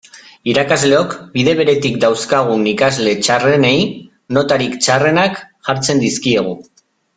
Irakasleok, bide beretik, dauzkagun ikasle txarrenei notarik txarrenak jartzen dizkiegu.